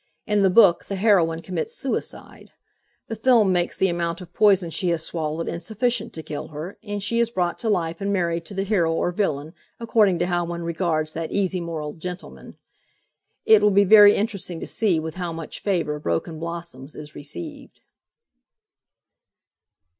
In the book the heroine commits suicide; the film makes the amount of poison she has swallowed insufficient to kill her, and she is brought to life and married to the hero or villain, according to how one regards that easy moralled gentleman. It will be very interesting to see with how much favour "Broken Blossoms" is received.